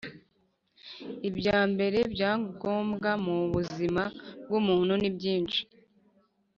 Ibya mbere bya ngombwa mu buzima bw’umuntu nibyinshi